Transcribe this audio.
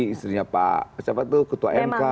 istrinya pak siapa tuh ketua mk